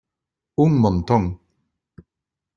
Un montón.